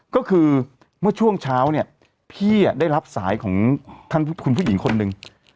ก็คือเมื่อช่วงเช้าเนี่ยพี่ได้รับสายของท่านคุณผู้หญิงคนหนึ่ง